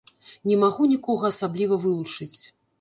Не магу нікога асабліва вылучыць.